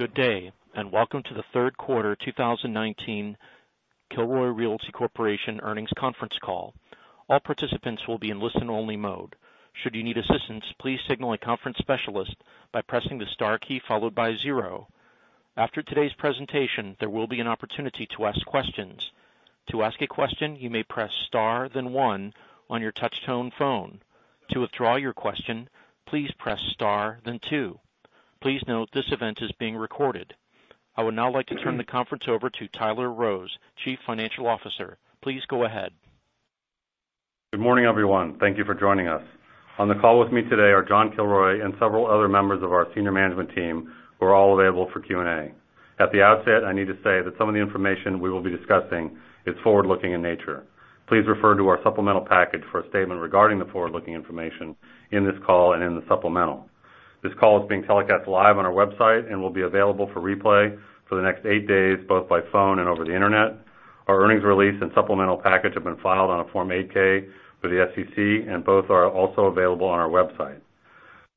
Good day, and welcome to the third quarter 2019 Kilroy Realty Corporation earnings conference call. All participants will be in listen-only mode. Should you need assistance, please signal a conference specialist by pressing the star key followed by zero. After today's presentation, there will be an opportunity to ask questions. To ask a question, you may press star, then one on your touch-tone phone. To withdraw your question, please press star, then two. Please note this event is being recorded. I would now like to turn the conference over to Tyler Rose, Chief Financial Officer. Please go ahead. Good morning, everyone. Thank you for joining us. On the call with me today are John Kilroy and several other members of our senior management team who are all available for Q&A. At the outset, I need to say that some of the information we will be discussing is forward-looking in nature. Please refer to our supplemental package for a statement regarding the forward-looking information in this call and in the supplemental. This call is being telecast live on our website and will be available for replay for the next eight days, both by phone and over the Internet. Our earnings release and supplemental package have been filed on a Form 8-K for the SEC, and both are also available on our website.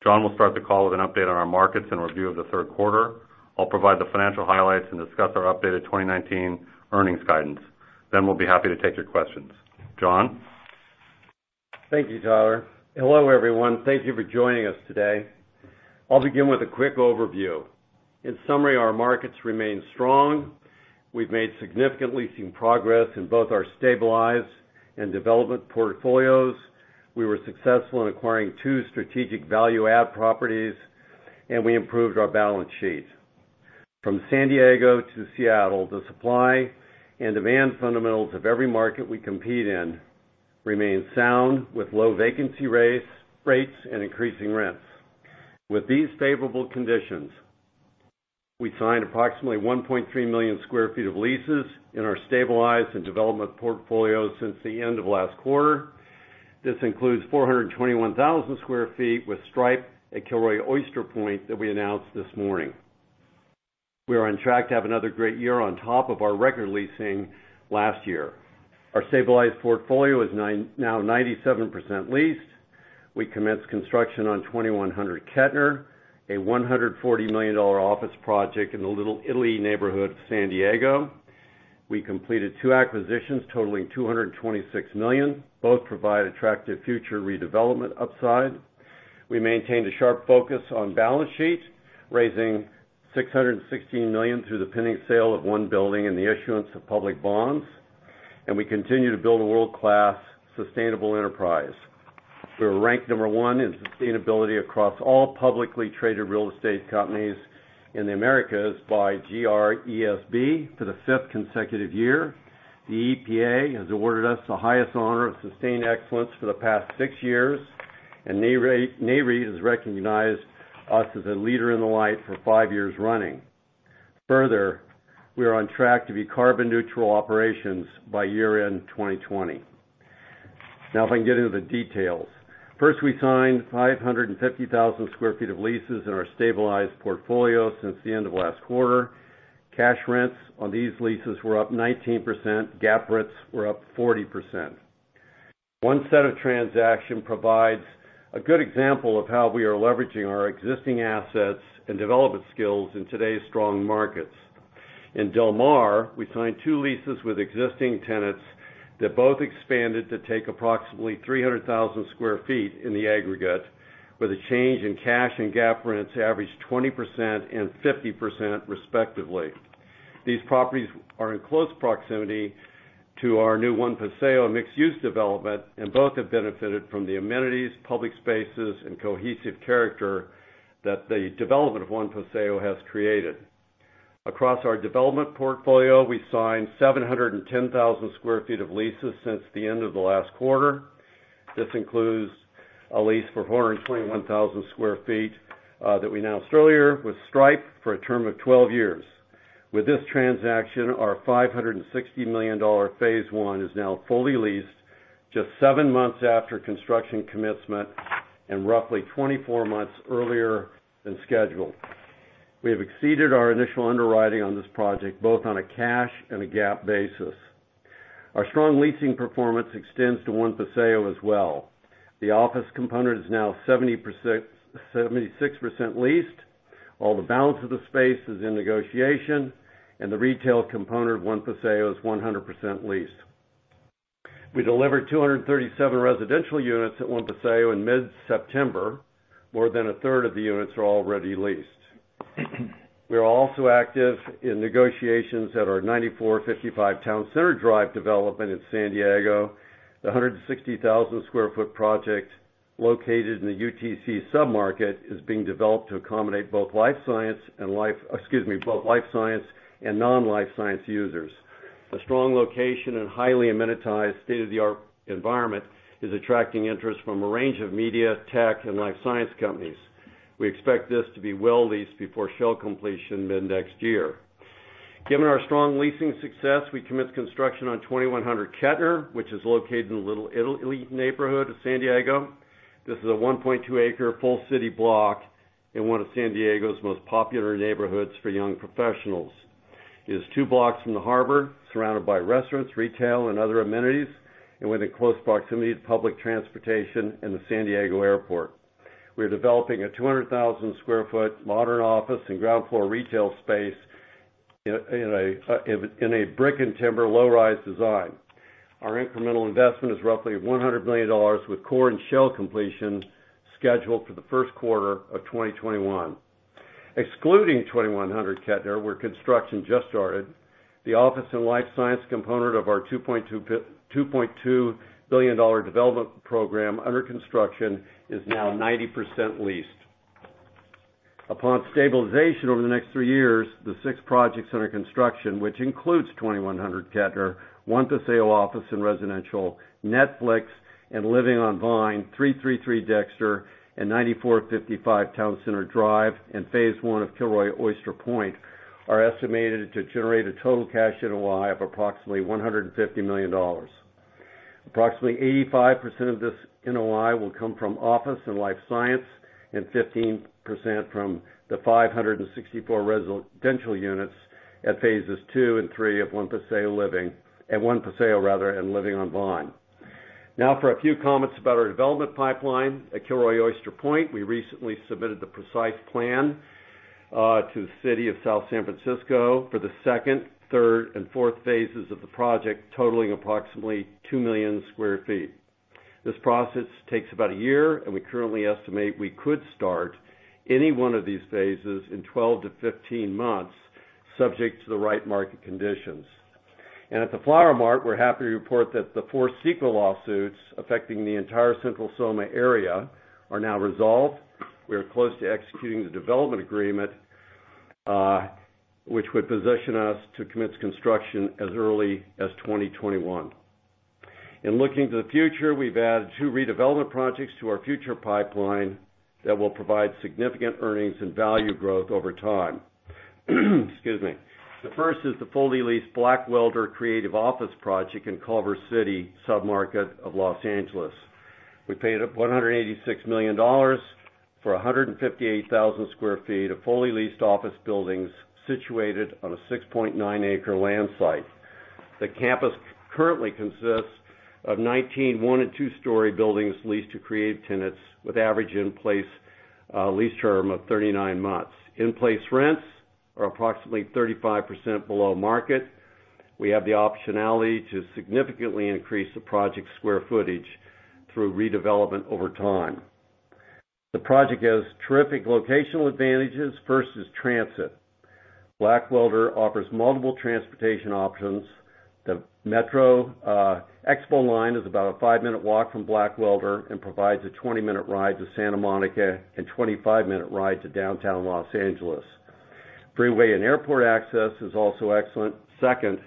John will start the call with an update on our markets and review of the third quarter. I'll provide the financial highlights and discuss our updated 2019 earnings guidance. We'll be happy to take your questions. John? Thank you, Tyler. Hello, everyone. Thank you for joining us today. I'll begin with a quick overview. In summary, our markets remain strong. We've made significant leasing progress in both our stabilized and development portfolios. We were successful in acquiring two strategic value-add properties, and we improved our balance sheet. From San Diego to Seattle, the supply and demand fundamentals of every market we compete in remain sound, with low vacancy rates and increasing rents. With these favorable conditions, we signed approximately 1.3 million sq ft of leases in our stabilized and development portfolios since the end of last quarter. This includes 421,000 sq ft with Stripe at Kilroy Oyster Point that we announced this morning. We are on track to have another great year on top of our record leasing last year. Our stabilized portfolio is now 97% leased. We commenced construction on 2100 Kettner, a $140 million office project in the Little Italy neighborhood of San Diego. We completed two acquisitions totaling $226 million. Both provide attractive future redevelopment upside. We maintained a sharp focus on balance sheet, raising $616 million through the pending sale of one building and the issuance of public bonds. We continue to build a world-class sustainable enterprise. We were ranked number 1 in sustainability across all publicly traded real estate companies in the Americas by GRESB for the fifth consecutive year. The EPA has awarded us the highest honor of sustained excellence for the past six years, and NAREIT has recognized us as a leader in the light for five years running. Further, we are on track to be carbon-neutral operations by year-end 2020. If I can get into the details. First, we signed 550,000 sq ft of leases in our stabilized portfolio since the end of last quarter. Cash rents on these leases were up 19%, GAAP rents were up 40%. One set of transaction provides a good example of how we are leveraging our existing assets and development skills in today's strong markets. In Del Mar, we signed two leases with existing tenants that both expanded to take approximately 300,000 sq ft in the aggregate, with a change in cash and GAAP rents averaged 20% and 50%, respectively. These properties are in close proximity to our new One Paseo mixed-use development, and both have benefited from the amenities, public spaces, and cohesive character that the development of One Paseo has created. Across our development portfolio, we've signed 710,000 sq ft of leases since the end of the last quarter. This includes a lease for 421,000 sq ft, that we announced earlier with Stripe for a term of 12 years. With this transaction, our $560 million phase one is now fully leased just seven months after construction commencement and roughly 24 months earlier than scheduled. We have exceeded our initial underwriting on this project, both on a cash and a GAAP basis. Our strong leasing performance extends to One Paseo as well. The office component is now 76% leased, all the balance of the space is in negotiation, and the retail component of One Paseo is 100% leased. We delivered 237 residential units at One Paseo in mid-September. More than a third of the units are already leased. We are also active in negotiations at our 9455 Town Center Drive development in San Diego. The 160,000 sq ft project located in the UTC sub-market is being developed to accommodate both life science and non-life science users. A strong location and highly amenitized state-of-the-art environment is attracting interest from a range of media, tech, and life science companies. We expect this to be well leased before shell completion mid-next year. Given our strong leasing success, we commenced construction on 2100 Kettner, which is located in the Little Italy neighborhood of San Diego. This is a 1.2 acres full city block in one of San Diego's most popular neighborhoods for young professionals. It is two blocks from the harbor, surrounded by restaurants, retail, and other amenities, and within close proximity to public transportation and the San Diego Airport. We're developing a 200,000 sq ft modern office and ground floor retail space in a brick-and-timber low-rise design. Our incremental investment is roughly $100 million, with core and shell completion scheduled for the first quarter of 2021. Excluding 2100 Kettner, where construction just started, the office and life science component of our $2.2 billion development program under construction is now 90% leased. Upon stabilization over the next three years, the six projects under construction, which includes 2100 Kettner, One Paseo Office and Residential, Netflix, and Living on Vine, 333 Dexter, and 9455 Town Center Drive, and phase 1 of Kilroy Oyster Point, are estimated to generate a total cash NOI of approximately $150 million. Approximately 85% of this NOI will come from office and life science, and 15% from the 564 residential units at phases 2 and 3 of One Paseo Living-- at One Paseo, rather, and Living on Vine. Now for a few comments about our development pipeline. At Kilroy Oyster Point, we recently submitted the precise plan to the City of South San Francisco for the second, third, and fourth phases of the project, totaling approximately 2 million square feet. This process takes about a year, we currently estimate we could start any one of these phases in 12 to 15 months, subject to the right market conditions. At The Flower Mart, we're happy to report that the four CEQA lawsuits affecting the entire Central SoMa area are now resolved. We are close to executing the development agreement, which would position us to commence construction as early as 2021. In looking to the future, we've added two redevelopment projects to our future pipeline that will provide significant earnings and value growth over time. Excuse me. The first is the fully leased Blackwelder creative office project in Culver City submarket of Los Angeles. We paid $186 million for 158,000 sq ft of fully leased office buildings situated on a 6.9-acre land site. The campus currently consists of 19 one- and two-story buildings leased to creative tenants with average in-place lease term of 39 months. In-place rents are approximately 35% below market. We have the optionality to significantly increase the project's square footage through redevelopment over time. The project has terrific locational advantages. First is transit. Blackwelder offers multiple transportation options. The Metro Expo Line is about a five-minute walk from Blackwelder and provides a 20-minute ride to Santa Monica and 25-minute ride to downtown Los Angeles. Freeway and airport access is also excellent. Second,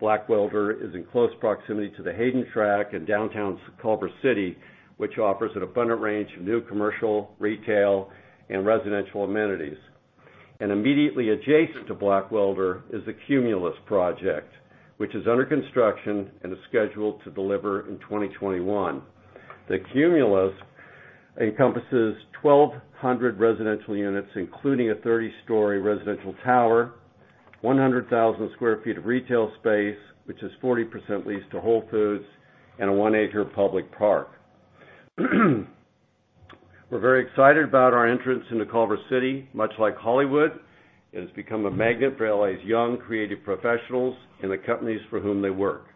Blackwelder is in close proximity to the Hayden Tract in downtown Culver City, which offers an abundant range of new commercial, retail, and residential amenities. Immediately adjacent to Blackwelder is the Cumulus project, which is under construction and is scheduled to deliver in 2021. The Cumulus encompasses 1,200 residential units, including a 30-story residential tower, 100,000 sq ft of retail space, which is 40% leased to Whole Foods, and a one-acre public park. We're very excited about our entrance into Culver City. Much like Hollywood, it has become a magnet for L.A.'s young, creative professionals and the companies for whom they work.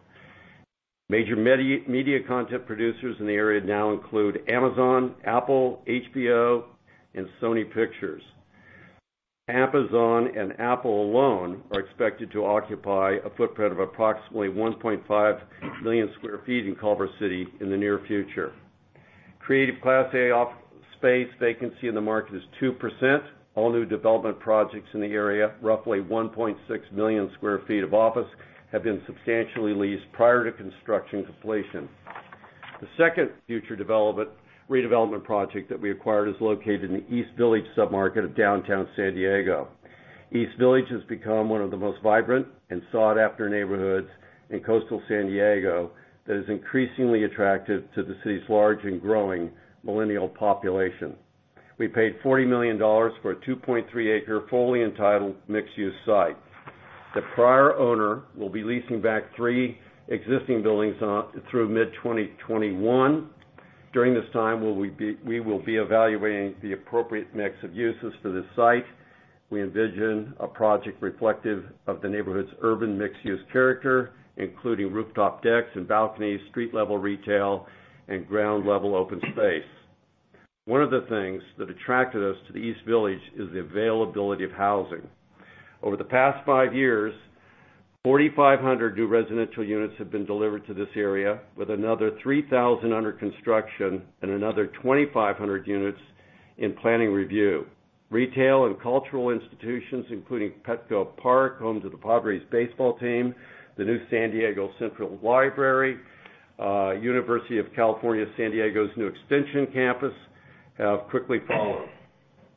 Major media content producers in the area now include Amazon, Apple, HBO, and Sony Pictures. Amazon and Apple alone are expected to occupy a footprint of approximately 1.5 million sq ft in Culver City in the near future. Creative class A office space vacancy in the market is 2%. All new development projects in the area, roughly 1.6 million sq ft of office, have been substantially leased prior to construction completion. The second future redevelopment project that we acquired is located in the East Village submarket of downtown San Diego. East Village has become one of the most vibrant and sought-after neighborhoods in coastal San Diego that is increasingly attractive to the city's large and growing millennial population. We paid $40 million for a 2.3 acre fully entitled mixed-use site. The prior owner will be leasing back three existing buildings through mid-2021. During this time, we will be evaluating the appropriate mix of uses for this site. We envision a project reflective of the neighborhood's urban mixed-use character, including rooftop decks and balconies, street-level retail, and ground-level open space. One of the things that attracted us to the East Village is the availability of housing. Over the past five years, 4,500 new residential units have been delivered to this area, with another 3,000 under construction and another 2,500 units in planning review. Retail and cultural institutions, including Petco Park, home to the Padres baseball team, the new San Diego Central Library, University of California San Diego's new extension campus have quickly followed.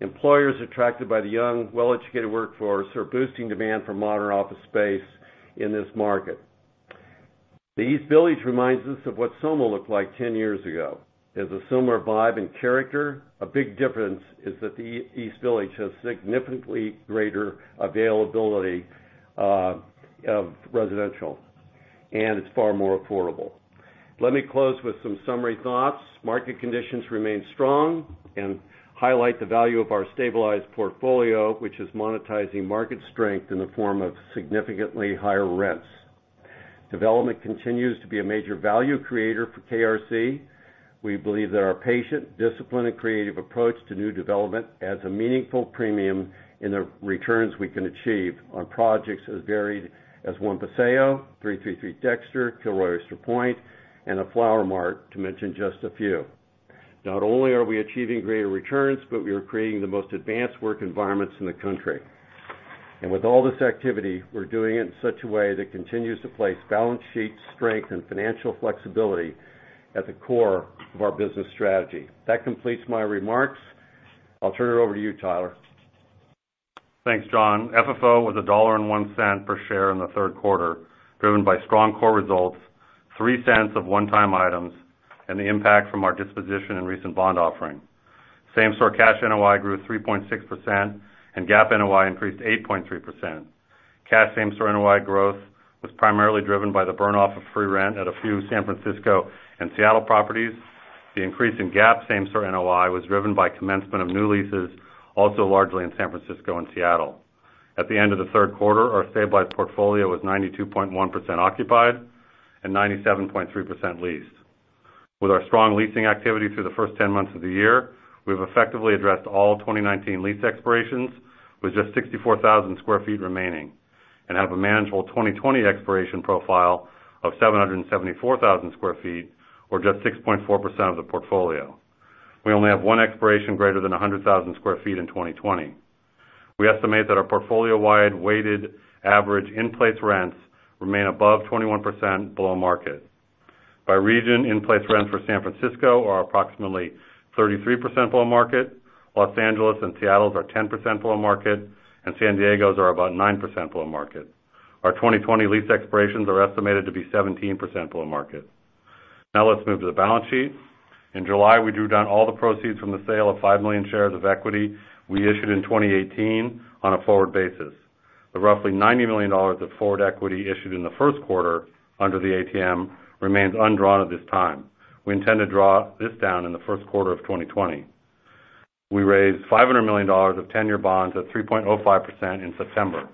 Employers attracted by the young, well-educated workforce are boosting demand for modern office space in this market. The East Village reminds us of what SoMa looked like 10 years ago. It has a similar vibe and character. A big difference is that the East Village has significantly greater availability of residential, and it's far more affordable. Let me close with some summary thoughts. Market conditions remain strong and highlight the value of our stabilized portfolio, which is monetizing market strength in the form of significantly higher rents. Development continues to be a major value creator for KRC. We believe that our patient, disciplined, and creative approach to new development adds a meaningful premium in the returns we can achieve on projects as varied as One Paseo, 333 Dexter, Kilroy Oyster Point, and The Flower Mart, to mention just a few. Not only are we achieving greater returns, but we are creating the most advanced work environments in the country. With all this activity, we're doing it in such a way that continues to place balance sheet strength and financial flexibility at the core of our business strategy. That completes my remarks. I'll turn it over to you, Tyler. Thanks, John. FFO was $1.01 per share in the third quarter, driven by strong core results, $0.03 of one-time items, and the impact from our disposition and recent bond offering. Same-store cash NOI grew 3.6%, and GAAP NOI increased 8.3%. Cash same-store NOI growth was primarily driven by the burn-off of free rent at a few San Francisco and Seattle properties. The increase in GAAP same-store NOI was driven by commencement of new leases, also largely in San Francisco and Seattle. At the end of the third quarter, our stabilized portfolio was 92.1% occupied and 97.3% leased. With our strong leasing activity through the first 10 months of the year, we've effectively addressed all 2019 lease expirations, with just 64,000 sq ft remaining, and have a manageable 2020 expiration profile of 774,000 sq ft, or just 6.4% of the portfolio. We only have one expiration greater than 100,000 sq ft in 2020. We estimate that our portfolio-wide weighted average in-place rents remain above 21% below market. By region, in-place rents for San Francisco are approximately 33% below market, Los Angeles and Seattle's are 10% below market, and San Diego's are about 9% below market. Our 2020 lease expirations are estimated to be 17% below market. Let's move to the balance sheet. In July, we drew down all the proceeds from the sale of 5 million shares of equity we issued in 2018 on a forward basis. The roughly $90 million of forward equity issued in the first quarter under the ATM remains undrawn at this time. We intend to draw this down in the first quarter of 2020. We raised $500 million of tenure bonds at 3.05% in September.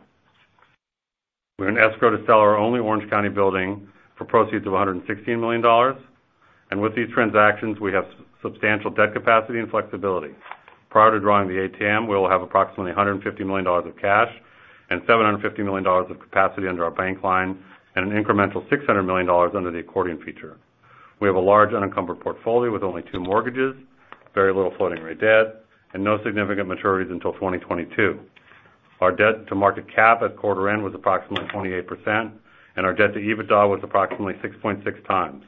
We're in escrow to sell our only Orange County building for proceeds of $116 million. With these transactions, we have substantial debt capacity and flexibility. Prior to drawing the ATM, we will have approximately $150 million of cash and $750 million of capacity under our bank line and an incremental $600 million under the accordion feature. We have a large unencumbered portfolio with only two mortgages, very little floating rate debt, and no significant maturities until 2022. Our debt-to-market cap at quarter end was approximately 28%, and our debt to EBITDA was approximately 6.6x,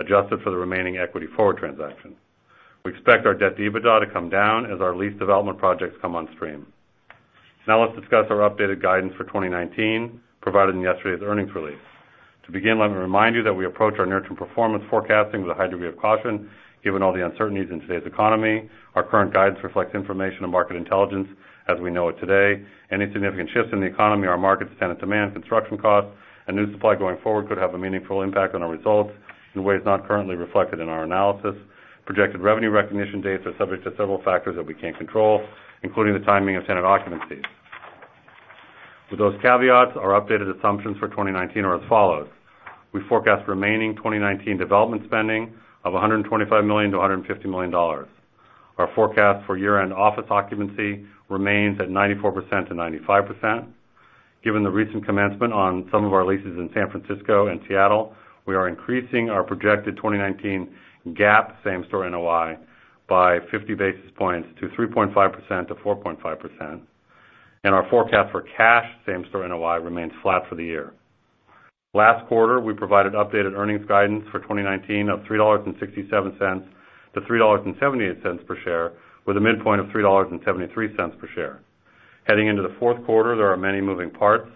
adjusted for the remaining equity forward transaction. We expect our debt to EBITDA to come down as our lease development projects come on stream. Now let's discuss our updated guidance for 2019, provided in yesterday's earnings release. To begin, let me remind you that we approach our near-term performance forecasting with a high degree of caution, given all the uncertainties in today's economy. Our current guidance reflects information and market intelligence as we know it today. Any significant shifts in the economy, our markets, tenant demand, construction costs, and new supply going forward could have a meaningful impact on our results in ways not currently reflected in our analysis. Projected revenue recognition dates are subject to several factors that we can't control, including the timing of tenant occupancy. With those caveats, our updated assumptions for 2019 are as follows. We forecast remaining 2019 development spending of $125 million to $150 million. Our forecast for year-end office occupancy remains at 94% to 95%. Given the recent commencement on some of our leases in San Francisco and Seattle, we are increasing our projected 2019 GAAP same-store NOI by 50 basis points to 3.5% to 4.5%. Our forecast for cash same-store NOI remains flat for the year. Last quarter, we provided updated earnings guidance for 2019 of $3.67 to $3.78 per share, with a midpoint of $3.73 per share. Heading into the fourth quarter, there are many moving parts.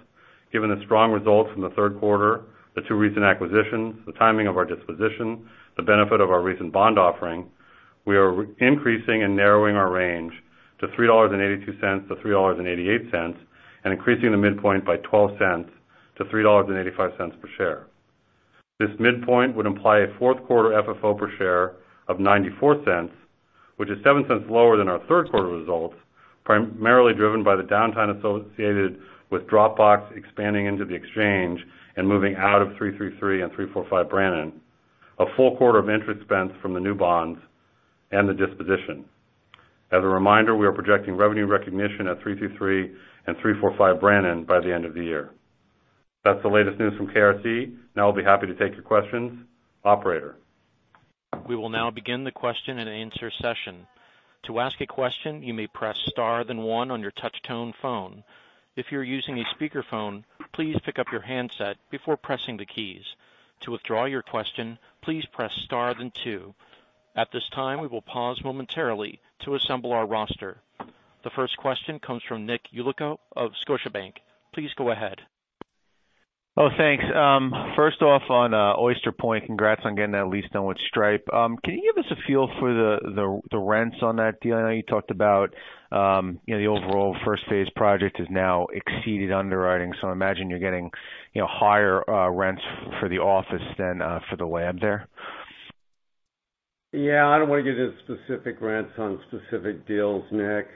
Given the strong results from the third quarter, the two recent acquisitions, the timing of our disposition, the benefit of our recent bond offering, we are increasing and narrowing our range to $3.82 to $3.88 and increasing the midpoint by $0.12 to $3.85 per share. This midpoint would imply a fourth quarter FFO per share of $0.94, which is $0.07 lower than our third quarter results, primarily driven by the downtime associated with Dropbox expanding into the Exchange and moving out of 333 and 345 Brannan, a full quarter of interest expense from the new bonds, and the disposition. As a reminder, we are projecting revenue recognition at 333 and 345 Brannan by the end of the year. That's the latest news from KRC. Now I'll be happy to take your questions. Operator? We will now begin the question-and-answer session. To ask a question, you may press star then 1 on your touch-tone phone. If you're using a speakerphone, please pick up your handset before pressing the keys. To withdraw your question, please press star then 2. At this time, we will pause momentarily to assemble our roster. The first question comes from Nick Yulico of Scotiabank. Please go ahead. Oh, thanks. First off, on Oyster Point, congrats on getting that lease done with Stripe. Can you give us a feel for the rents on that deal? I know you talked about the overall first-phase project has now exceeded underwriting. I imagine you're getting higher rents for the office than for the lab there. Yeah. I don't want to get into specific rents on specific deals, Nick.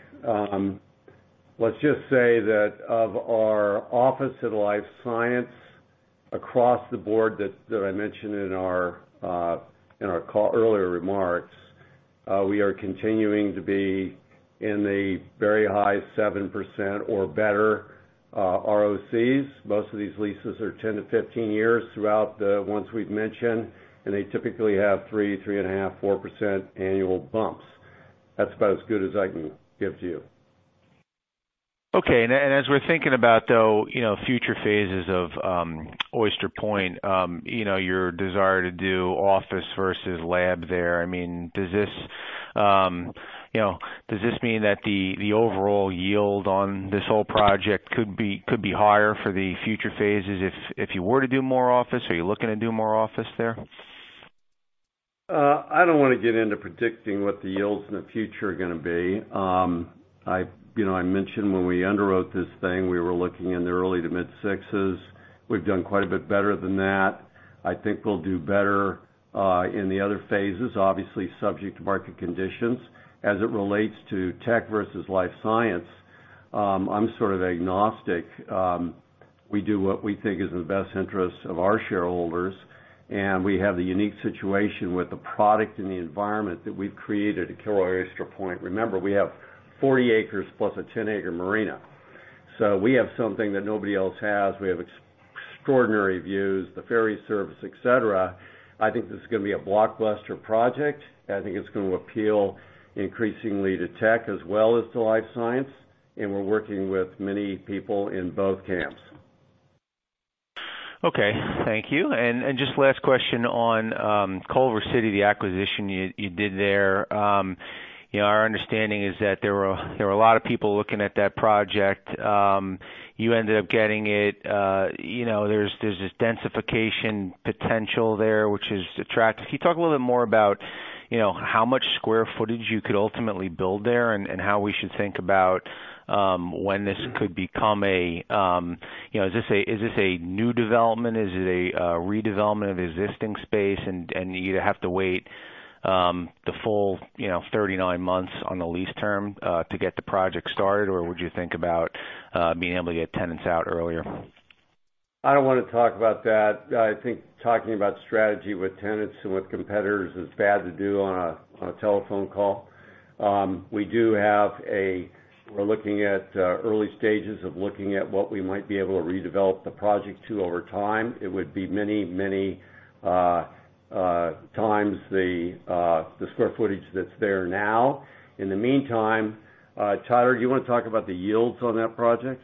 Let's just say that of our office and life science across the board that I mentioned in our earlier remarks, we are continuing to be in the very high 7% or better ROCs. Most of these leases are 10-15 years throughout the ones we've mentioned, and they typically have 3%, 3.5%, 4% annual bumps. That's about as good as I can give to you. Okay. As we're thinking about, though, future phases of Oyster Point, your desire to do office versus lab there, does this mean that the overall yield on this whole project could be higher for the future phases if you were to do more office? Are you looking to do more office there? I don't want to get into predicting what the yields in the future are going to be. I mentioned when we underwrote this thing, we were looking in the early to mid-6s. We've done quite a bit better than that. I think we'll do better in the other phases, obviously subject to market conditions. As it relates to tech versus life science, I'm sort of agnostic. We do what we think is in the best interest of our shareholders, and we have the unique situation with the product and the environment that we've created at Kilroy Oyster Point. Remember, we have 40 acres plus a 10-acre marina. We have something that nobody else has. We have extraordinary views, the ferry service, et cetera. I think this is going to be a blockbuster project. I think it's going to appeal increasingly to tech as well as to life science, and we're working with many people in both camps. Okay, thank you. Just last question on Culver City, the acquisition you did there. Our understanding is that there were a lot of people looking at that project. You ended up getting it. There's this densification potential there, which is attractive. Can you talk a little bit more about how much square footage you could ultimately build there and how we should think about when this could become? Is this a new development? Is it a redevelopment of existing space? Do you have to wait the full 39 months on the lease term to get the project started, or would you think about being able to get tenants out earlier? I don't want to talk about that. I think talking about strategy with tenants and with competitors is bad to do on a telephone call. We're looking at early stages of looking at what we might be able to redevelop the project to over time. It would be many times the square footage that's there now. In the meantime, Tyler, do you want to talk about the yields on that project?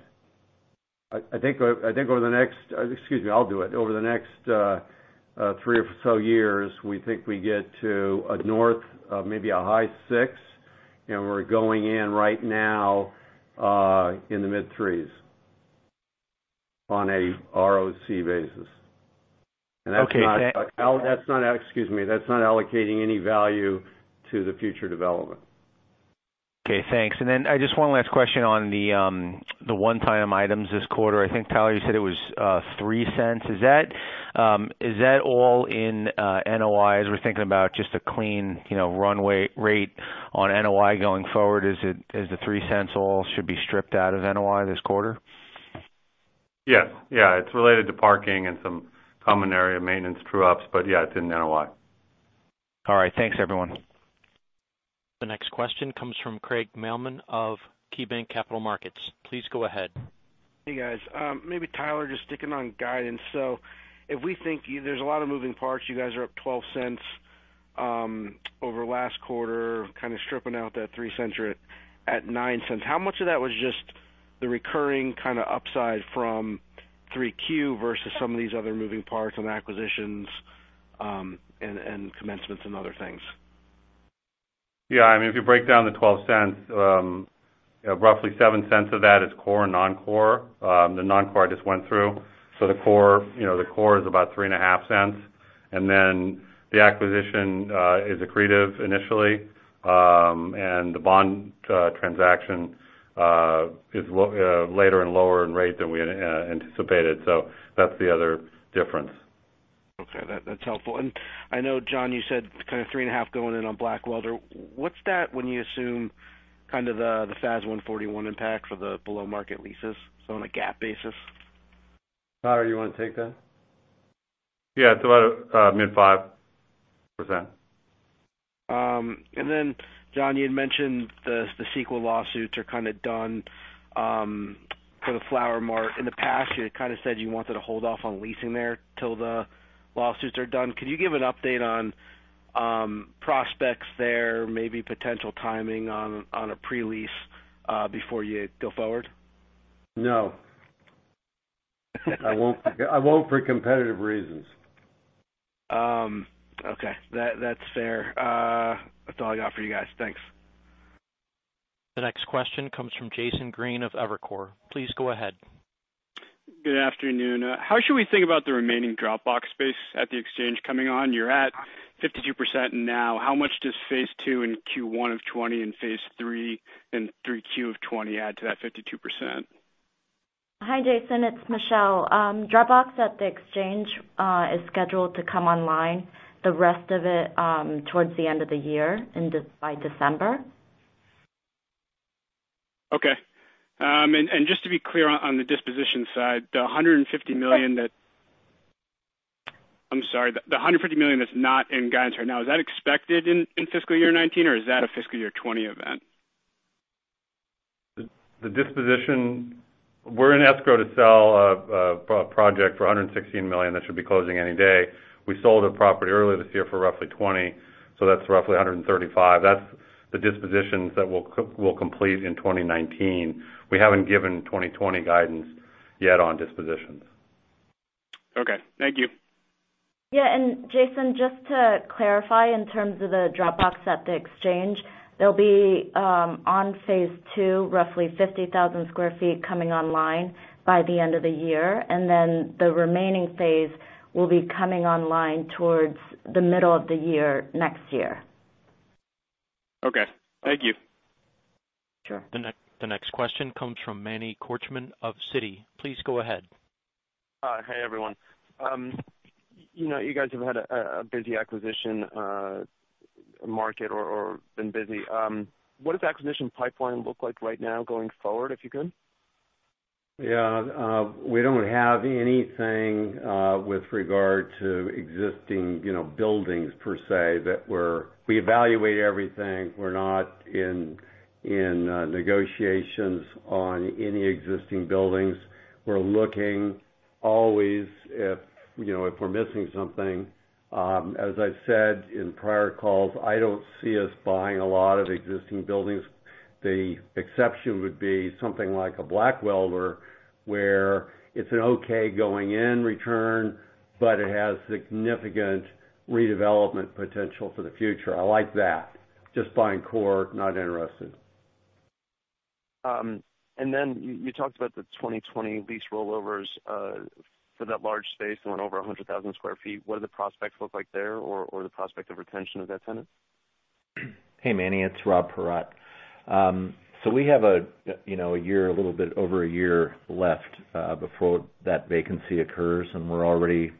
Excuse me, I'll do it. Over the next three or so years, we think we get to north of maybe a high six, and we're going in right now in the mid-threes on a ROC basis. Okay. That's not allocating any value to the future development. Okay, thanks. Just one last question on the one-time items this quarter. I think, Tyler, you said it was $0.03. Is that all in NOI as we're thinking about just a clean runway rate on NOI going forward? Is the $0.03 all should be stripped out of NOI this quarter? Yes. It's related to parking and some common area maintenance true-ups, but yes, it's in NOI. All right. Thanks, everyone. The next question comes from Craig Mailman of KeyBanc Capital Markets. Please go ahead. Hey, guys. Maybe Tyler, just sticking on guidance. If we think there's a lot of moving parts, you guys are up $0.12 over last quarter, kind of stripping out that $0.03 at $0.09. How much of that was just the recurring kind of upside from 3Q versus some of these other moving parts on acquisitions, and commencements and other things? Yeah. If you break down the $0.12, roughly $0.07 of that is core and non-core. The non-core I just went through. The core is about $0.035. The acquisition is accretive initially. The bond transaction is later and lower in rate than we had anticipated. That's the other difference. Okay. That's helpful. I know, John, you said kind of 3.5 going in on Blackwelder. What's that when you assume kind of the FAS 141 impact for the below-market leases, so on a GAAP basis? Tyler, do you want to take that? Yeah. It's about mid 5%. John, you had mentioned the CEQA lawsuits are kind of done for the Flower Mart. In the past, you had kind of said you wanted to hold off on leasing there till the lawsuits are done. Could you give an update on prospects there, maybe potential timing on a pre-lease before you go forward? No I won't for competitive reasons. Okay. That's fair. That's all I got for you guys. Thanks. The next question comes from Jason Green of Evercore. Please go ahead. Good afternoon. How should we think about the remaining Dropbox space at the Exchange coming on? You're at 52% now. How much does phase two in Q1 of 2020 and phase three in 3Q of 2020 add to that 52%? Hi, Jason. It's Michelle. Dropbox at The Exchange, is scheduled to come online, the rest of it, towards the end of the year by December. Okay. Just to be clear on the disposition side, the $150 million that's not in guidance right now, is that expected in fiscal year 2019, or is that a fiscal year 2020 event? The disposition, we're in escrow to sell a project for $116 million that should be closing any day. We sold a property earlier this year for roughly $20, that's roughly $135. That's the dispositions that we'll complete in 2019. We haven't given 2020 guidance yet on dispositions. Okay. Thank you. Yeah. Jason, just to clarify, in terms of the Dropbox at the Exchange, there'll be, on phase 2, roughly 50,000 sq ft coming online by the end of the year, and then the remaining phase will be coming online towards the middle of the year next year. Okay. Thank you. Sure. The next question comes from Manny Korchman of Citi. Please go ahead. Hi. Hey, everyone. You guys have had a busy acquisition market or been busy. What does acquisition pipeline look like right now going forward, if you could? Yeah. We don't have anything, with regard to existing buildings per se. We evaluate everything. We're not in negotiations on any existing buildings. We're looking always if we're missing something. As I've said in prior calls, I don't see us buying a lot of existing buildings. The exception would be something like a Blackwelder, where it's an okay going in return, but it has significant redevelopment potential for the future. I like that. Just buying core, not interested. You talked about the 2020 lease rollovers, for that large space, it went over 100,000 sq ft. What do the prospects look like there, or the prospect of retention of that tenant? Hey, Manny, it's Rob Paratte. We have a little bit over a year left before that vacancy occurs, and we're already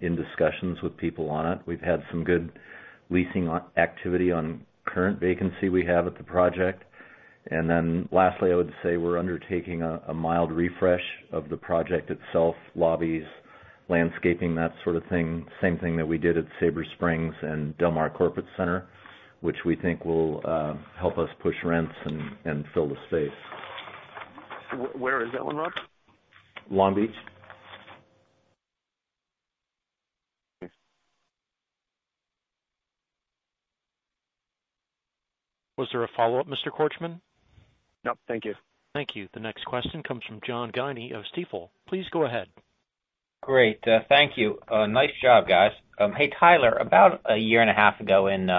in discussions with people on it. We've had some good leasing activity on current vacancy we have at the project. Lastly, I would say we're undertaking a mild refresh of the project itself, lobbies, landscaping, that sort of thing. Same thing that we did at Sabre Springs and Del Mar Corporate Center, which we think will help us push rents and fill the space. Where is that one, Rob? Long Beach. Thanks. Was there a follow-up, Mr. Korchman? No. Thank you. Thank you. The next question comes from John Guinee of Stifel. Please go ahead. Great. Thank you. Nice job, guys. Hey, Tyler, about a year and a half ago in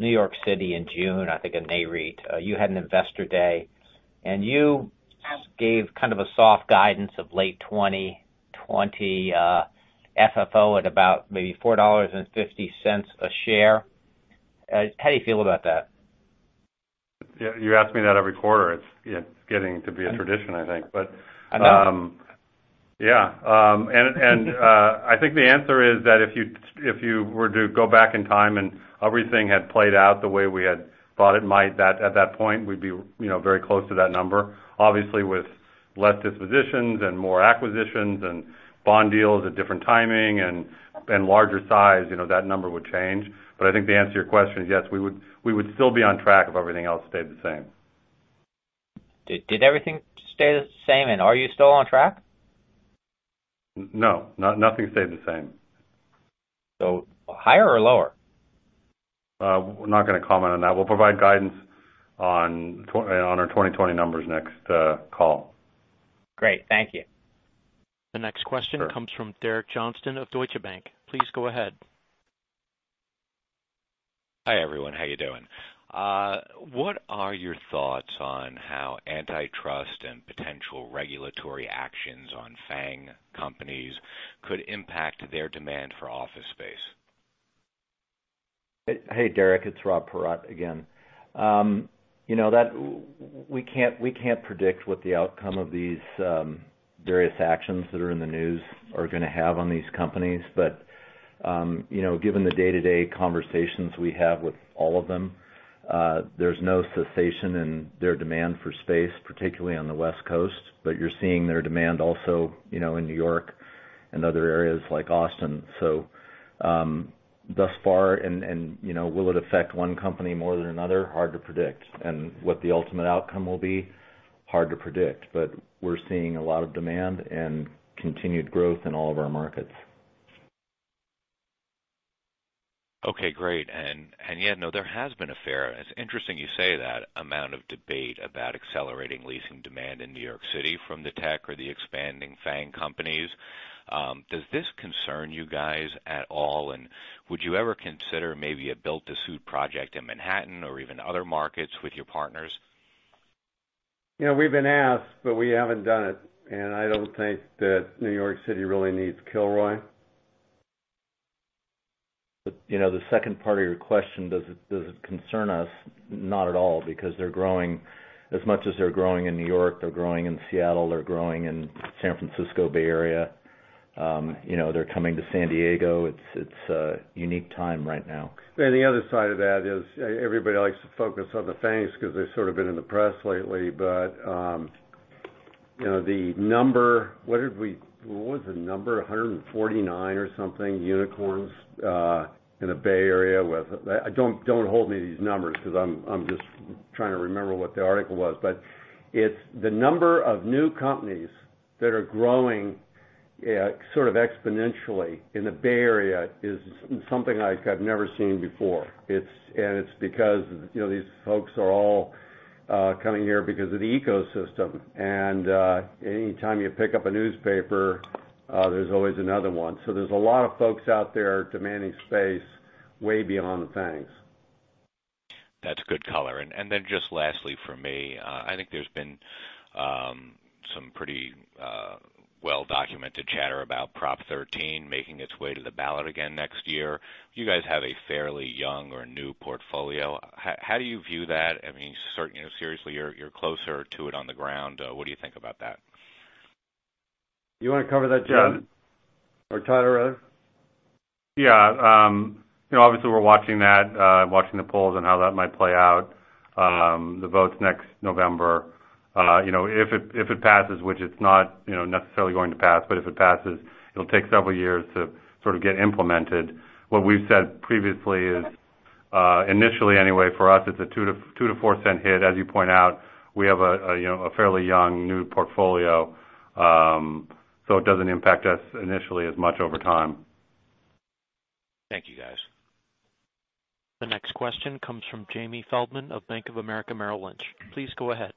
New York City in June, I think at NAREIT, you had an investor day, and you gave kind of a soft guidance of late 2020, FFO at about maybe $4.50 a share. How do you feel about that? You ask me that every quarter. It's getting to be a tradition, I think. I know. Yeah. I think the answer is that if you were to go back in time and everything had played out the way we had thought it might at that point, we'd be very close to that number. Obviously, with less dispositions and more acquisitions and bond deals at different timing and larger size, that number would change. I think the answer to your question is yes, we would still be on track if everything else stayed the same. Did everything stay the same and are you still on track? No. Nothing stayed the same. Higher or lower? We're not gonna comment on that. We'll provide guidance on our 2020 numbers next call. Great. Thank you. The next question comes from Derek Johnston of Deutsche Bank. Please go ahead. Hi, everyone. How you doing? What are your thoughts on how antitrust and potential regulatory actions on FAANG companies could impact their demand for office space? Hey, Derek, it's Rob Paratte again. We can't predict what the outcome of these various actions that are in the news are gonna have on these companies. Given the day-to-day conversations we have with all of them, there's no cessation in their demand for space, particularly on the West Coast. You're seeing their demand also in New York and other areas like Austin. Thus far, will it affect one company more than another? Hard to predict. What the ultimate outcome will be? Hard to predict. We're seeing a lot of demand and continued growth in all of our markets. Okay, great. Yeah, no, there has been a fair, it's interesting you say that, amount of debate about accelerating leasing demand in New York City from the tech or the expanding FAANG companies. Does this concern you guys at all? Would you ever consider maybe a built-to-suit project in Manhattan or even other markets with your partners? We've been asked, but we haven't done it, and I don't think that New York City really needs Kilroy. The second part of your question, does it concern us? Not at all, because as much as they're growing in New York, they're growing in Seattle, they're growing in San Francisco Bay Area. They're coming to San Diego. It's a unique time right now. The other side of that is everybody likes to focus on the FAANGs because they've sort of been in the press lately. The number, what was the number, 149 or something, unicorns, in the Bay Area. Don't hold me to these numbers because I'm just trying to remember what the article was. The number of new companies that are growing sort of exponentially in the Bay Area is something I've never seen before. It's because these folks are all coming here because of the ecosystem. Any time you pick up a newspaper, there's always another one. There's a lot of folks out there demanding space way beyond the FAANGs. That's good color. Just lastly from me, I think there's been some pretty well-documented chatter about Proposition 13 making its way to the ballot again next year. You guys have a fairly young or new portfolio. How do you view that? I mean, seriously, you're closer to it on the ground. What do you think about that? You want to cover that, John? Or Tyler rather? Yeah. Obviously, we're watching that, watching the polls and how that might play out, the votes next November. If it passes, which it's not necessarily going to pass, but if it passes, it'll take several years to sort of get implemented. What we've said previously is, initially anyway, for us, it's a $0.02-$0.04 hit. As you point out, we have a fairly young, new portfolio. It doesn't impact us initially as much over time. Thank you, guys. The next question comes from Jamie Feldman of Bank of America Merrill Lynch. Please go ahead.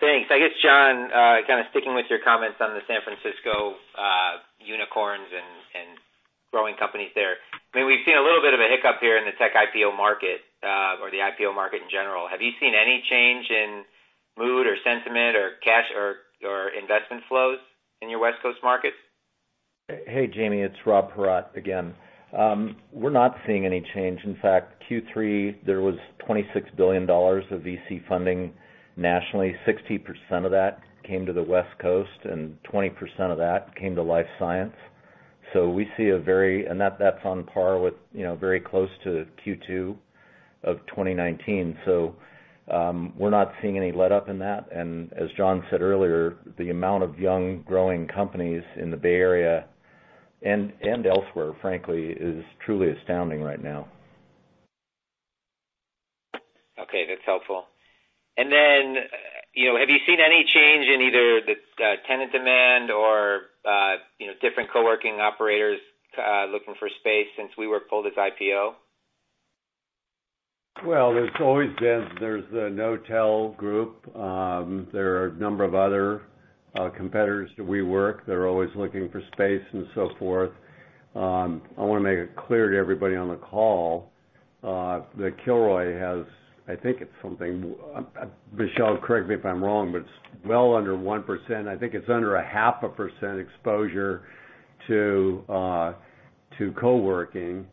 Thanks. I guess, John, kind of sticking with your comments on the San Francisco unicorns and growing companies there. I mean, we've seen a little bit of a hiccup here in the tech IPO market, or the IPO market in general. Have you seen any change in mood or sentiment or cash or investment flows in your West Coast markets? Hey, Jamie, it's Rob Paratte again. We're not seeing any change. In fact, Q3, there was $26 billion of VC funding nationally. 60% of that came to the West Coast, 20% of that came to life science. That's on par with very close to Q2 of 2019. We're not seeing any letup in that. As John said earlier, the amount of young growing companies in the Bay Area and elsewhere, frankly, is truly astounding right now. Okay. That's helpful. Have you seen any change in either the tenant demand or different co-working operators looking for space since WeWork pulled its IPO? Well, there's always been the Knotel group. There are a number of other competitors to WeWork that are always looking for space and so forth. I want to make it clear to everybody on the call that Kilroy has, I think it's something, Michelle, correct me if I'm wrong, but it's well under 1%. I think it's under a half a percent exposure to co-working.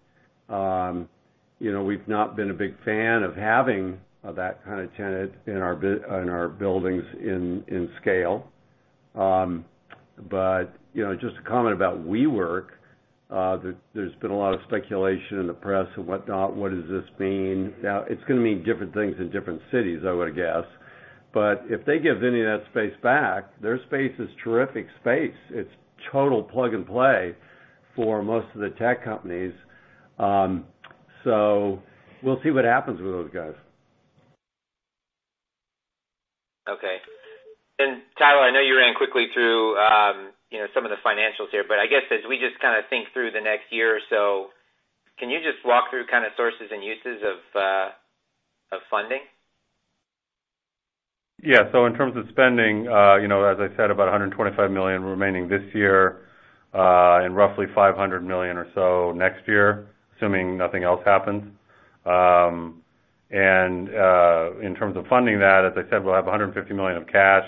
We've not been a big fan of having that kind of tenant in our buildings in scale. Just a comment about WeWork, there's been a lot of speculation in the press and whatnot, what does this mean? It's going to mean different things in different cities, I would guess. If they give any of that space back, their space is terrific space. It's total plug and play for most of the tech companies. We'll see what happens with those guys. Okay. Tyler, I know you ran quickly through some of the financials here, but I guess as we just kind of think through the next year or so, can you just walk through kind of sources and uses of funding? Yeah. In terms of spending, as I said, about $125 million remaining this year, and roughly $500 million or so next year, assuming nothing else happens. In terms of funding that, as I said, we'll have $150 million of cash.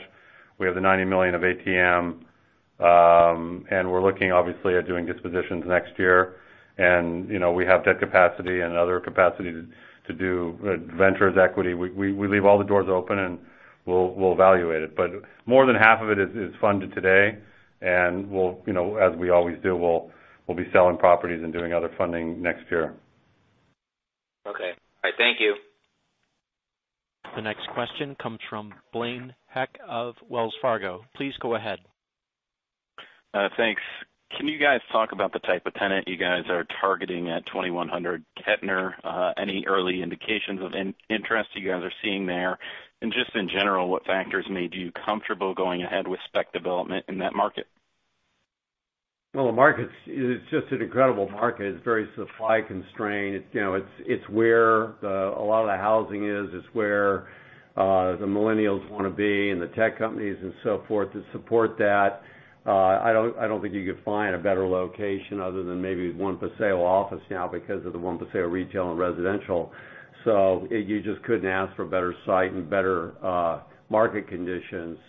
We have the $90 million of ATM. We're looking obviously at doing dispositions next year. We have debt capacity and other capacity to do ventures equity. We leave all the doors open, and we'll evaluate it. More than half of it is funded today, and as we always do, we'll be selling properties and doing other funding next year. Okay. All right. Thank you. The next question comes from Blaine Heck of Wells Fargo. Please go ahead. Thanks. Can you guys talk about the type of tenant you guys are targeting at 2100 Kettner? Any early indications of interest you guys are seeing there? Just in general, what factors made you comfortable going ahead with spec development in that market? Well, the market is just an incredible market. It's very supply-constrained. It's where a lot of the housing is. It's where the millennials want to be and the tech companies and so forth that support that. I don't think you could find a better location other than maybe One Paseo office now because of the One Paseo retail and residential. You just couldn't ask for a better site and better market conditions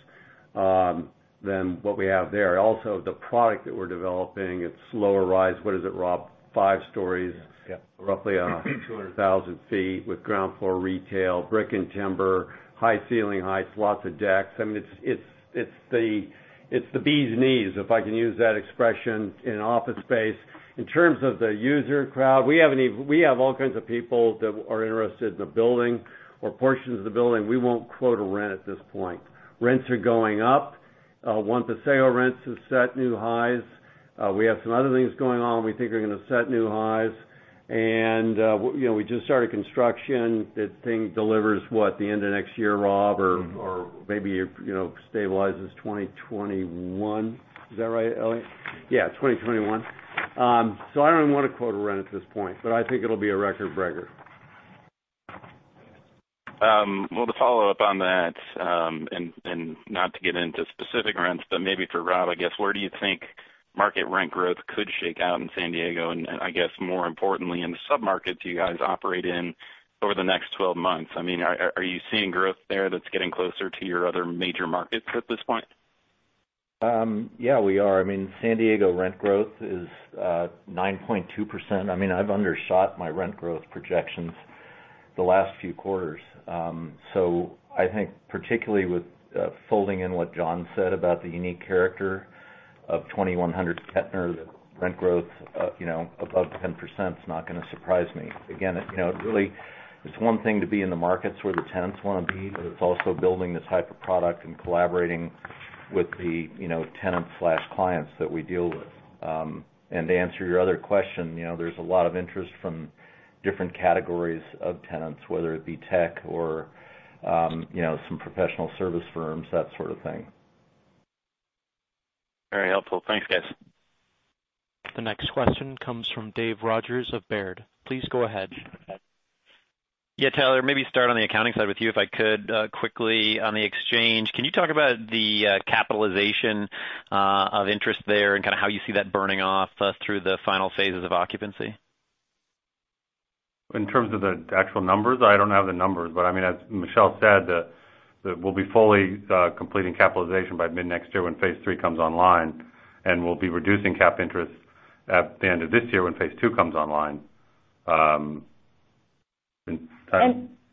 than what we have there. Also, the product that we're developing, it's slower rise. What is it, Rob? Five stories. Yes. Roughly 200,000 feet with ground-floor retail, brick and timber, high ceiling heights, lots of decks. I mean, it's the bee's knees, if I can use that expression, in an office space. In terms of the user crowd, we have all kinds of people that are interested in the building or portions of the building. We won't quote a rent at this point. Rents are going up. One Paseo rents have set new highs. We have some other things going on we think are going to set new highs. We just started construction. That thing delivers, what, the end of next year, Rob? Maybe, stabilizes 2021. Is that right, Eliott? Yeah, 2021. I don't even want to quote a rent at this point, but I think it'll be a record-breaker. Well, to follow up on that, and not to get into specific rents, but maybe for Rob, I guess, where do you think market rent growth could shake out in San Diego, and I guess more importantly, in the sub-markets you guys operate in over the next 12 months? I mean, are you seeing growth there that's getting closer to your other major markets at this point? Yeah, we are. I mean, San Diego rent growth is 9.2%. I've undershot my rent growth projections the last few quarters. I think particularly with folding in what John said about the unique character of 2100 Kettner, the rent growth above 10% is not going to surprise me. Again, it's one thing to be in the markets where the tenants want to be, but it's also building this type of product and collaborating with the tenant/clients that we deal with. To answer your other question, there's a lot of interest from different categories of tenants, whether it be tech or some professional service firms, that sort of thing. Very helpful. Thanks, guys. The next question comes from David Rogers of Baird. Please go ahead. Yeah. Tyler, maybe start on the accounting side with you, if I could, quickly on the exchange. Can you talk about the capitalization of interest there and kind of how you see that burning off through the final phases of occupancy? In terms of the actual numbers? I don't have the numbers, but I mean, as Michelle said, we'll be fully completing capitalization by mid-next year when phase 3 comes online, and we'll be reducing cap interest at the end of this year when phase 2 comes online.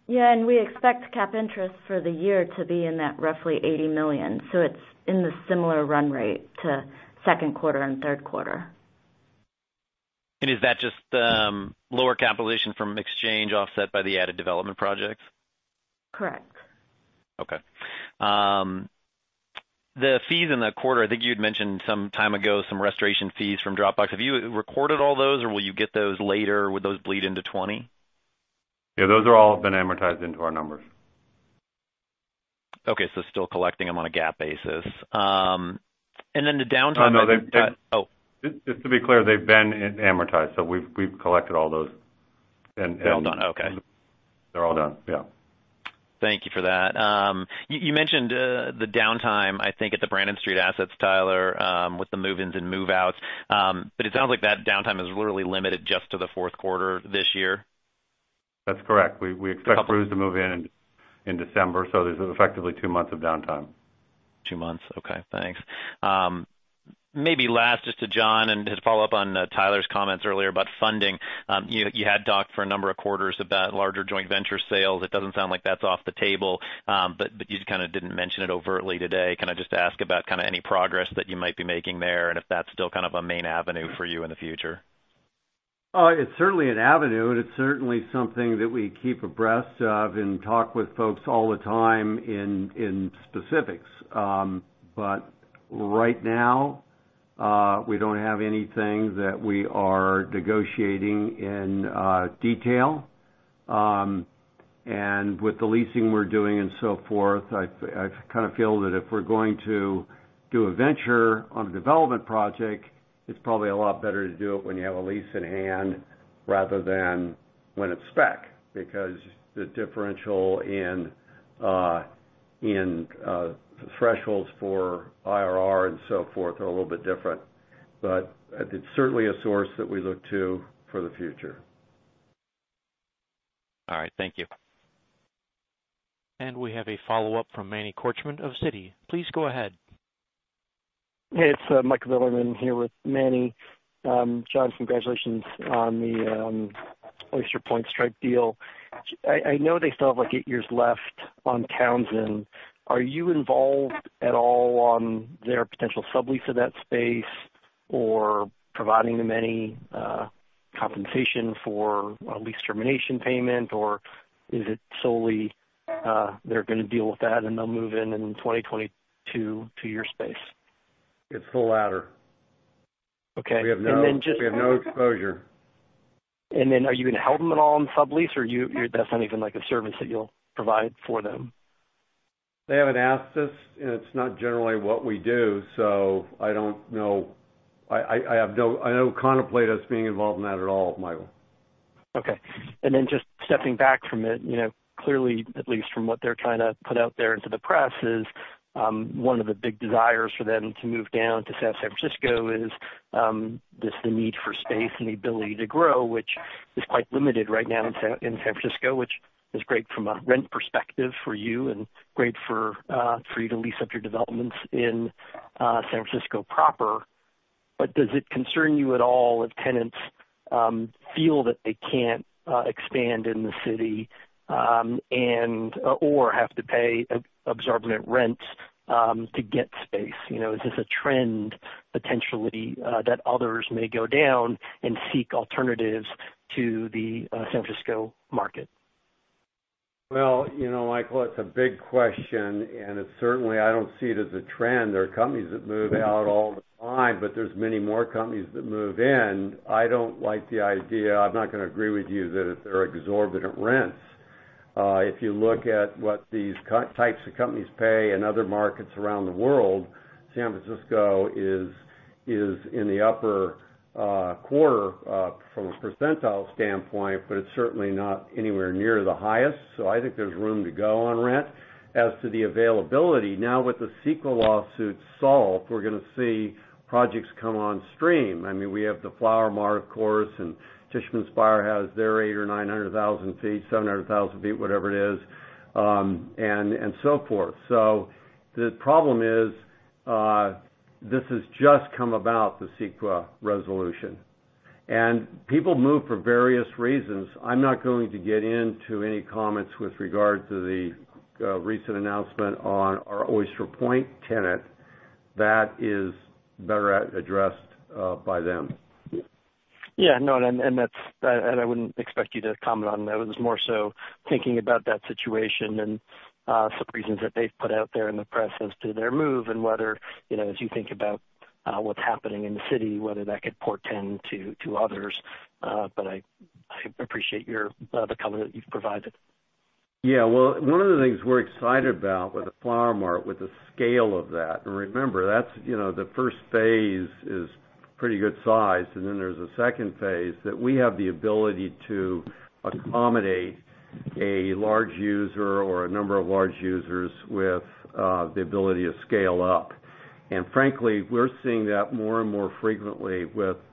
We expect cap interest for the year to be in that roughly $80 million. It's in the similar run rate to second quarter and third quarter. Is that just lower capitalization from exchange offset by the added development projects? Correct. Okay. The fees in the quarter, I think you had mentioned some time ago some restoration fees from Dropbox. Have you recorded all those, or will you get those later? Would those bleed into 2020? Yeah, those all have been amortized into our numbers. Okay, still collecting them on a GAAP basis. No. Oh. Just to be clear, they've been amortized, we've collected all those. They're all done. Okay. They're all done. Yeah. Thank you for that. You mentioned the downtime, I think, at the Brannan Street assets, Tyler, with the move-ins and move-outs. It sounds like that downtime is literally limited just to the fourth quarter this year. That's correct. We expect crews to move in in December, so there's effectively two months of downtime. Two months. Okay, thanks. Maybe last, just to John, and to follow up on Tyler's comments earlier about funding. You had talked for a number of quarters about larger joint venture sales. It doesn't sound like that's off the table, but you kind of didn't mention it overtly today. Can I just ask about any progress that you might be making there, and if that's still kind of a main avenue for you in the future? It's certainly an avenue, and it's certainly something that we keep abreast of and talk with folks all the time in specifics. Right now, we don't have anything that we are negotiating in detail. With the leasing we're doing and so forth, I kind of feel that if we're going to do a venture on a development project, it's probably a lot better to do it when you have a lease in hand rather than when it's spec, because the differential in thresholds for IRR and so forth are a little bit different. It's certainly a source that we look to for the future. All right. Thank you. We have a follow-up from Manny Korchman of Citi. Please go ahead. Hey, it's Michael Bilerman here with Manny. John, congratulations on the Oyster Point Stripe deal. I know they still have, like, 8 years left on Townsend. Are you involved at all on their potential sublease of that space or providing them any compensation for a lease termination payment, or is it solely they're going to deal with that and they'll move in in 2022 to your space? It's the latter. Okay. We have no exposure. Are you going to help them at all on the sublease, or that's not even like a service that you'll provide for them? They haven't asked us, and it's not generally what we do. I don't know. I don't contemplate us being involved in that at all, Michael. Okay. Just stepping back from it, clearly, at least from what they're trying to put out there into the press is, one of the big desires for them to move down to San Francisco is, just the need for space and the ability to grow, which is quite limited right now in San Francisco, which is great from a rent perspective for you and great for you to lease up your developments in San Francisco proper. Does it concern you at all if tenants feel that they can't expand in the city or have to pay exorbitant rents to get space? Is this a trend potentially that others may go down and seek alternatives to the San Francisco market? Well, Michael, it's a big question, it certainly, I don't see it as a trend. There are companies that move out all the time, but there's many more companies that move in. I don't like the idea. I'm not going to agree with you that they're exorbitant rents. If you look at what these types of companies pay in other markets around the world, San Francisco is in the upper quarter from a percentile standpoint, but it's certainly not anywhere near the highest. I think there's room to go on rent. As to the availability, now with the CEQA lawsuit solved, we're going to see projects come on stream. We have the Flower Mart, of course, Tishman Speyer has their 800,000 or 900,000 feet, 700,000 feet, whatever it is, and so forth. The problem is, this has just come about, the CEQA resolution. People move for various reasons. I'm not going to get into any comments with regard to the recent announcement on our Oyster Point tenant. That is better addressed by them. Yeah, no, I wouldn't expect you to comment on that. It was more so thinking about that situation and some reasons that they've put out there in the press as to their move and whether, as you think about what's happening in the city, whether that could portend to others. I appreciate the comment that you've provided. Yeah. Well, one of the things we're excited about with the Flower Mart, with the scale of that, and remember, the first phase is pretty good size, and then there's a second phase, that we have the ability to accommodate a large user or a number of large users with the ability to scale up. Frankly, we're seeing that more and more frequently,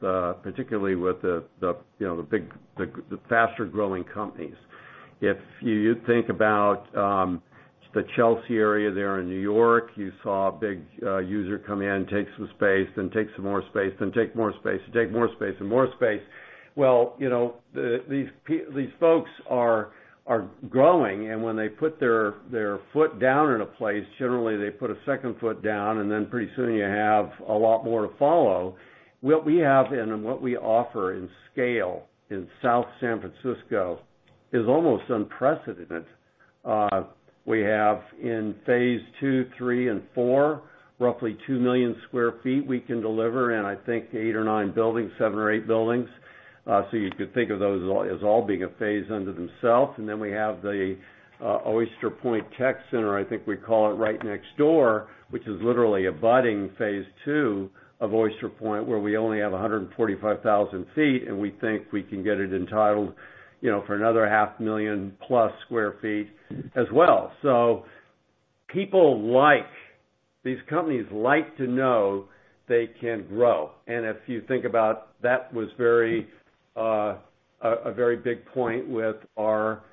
particularly with the faster-growing companies. If you think about the Chelsea area there in New York, you saw a big user come in, take some space, then take some more space, then take more space, and take more space and more space. Well, these folks are growing, and when they put their foot down in a place, generally, they put a second foot down, and then pretty soon you have a lot more to follow. What we have and what we offer in scale in South San Francisco is almost unprecedented. We have in phase 2, 3, and 4, roughly 2 million square feet we can deliver in I think 8 or 9 buildings, 7 or 8 buildings. You could think of those as all being a phase unto themselves. We have the Oyster Point Tech Center, I think we call it, right next door, which is literally abutting phase 2 of Oyster Point, where we only have 145,000 feet, and we think we can get it entitled for another half million plus square feet as well. People like these companies like to know they can grow. If you think about that was a very big point with our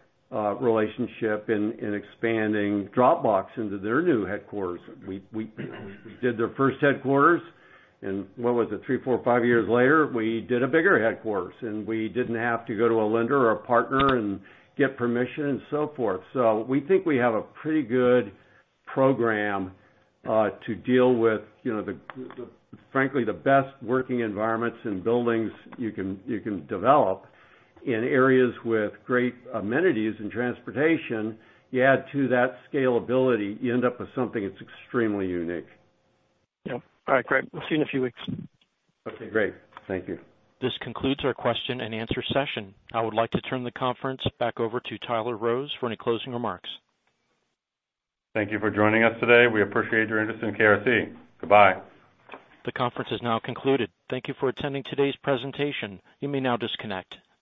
relationship in expanding Dropbox into their new headquarters. We did their first headquarters, and what was it? Three, four, five years later, we did a bigger headquarters, and we didn't have to go to a lender or a partner and get permission and so forth. We think we have a pretty good program to deal with frankly, the best working environments and buildings you can develop in areas with great amenities and transportation. You add to that scalability, you end up with something that's extremely unique. Yeah. All right, great. We'll see you in a few weeks. Okay, great. Thank you. This concludes our question and answer session. I would like to turn the conference back over to Tyler Rose for any closing remarks. Thank you for joining us today. We appreciate your interest in KRC. Goodbye. The conference is now concluded. Thank you for attending today's presentation. You may now disconnect.